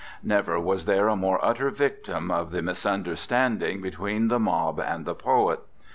Never was there a more utter victim of the misunderstanding between the mob and the poet.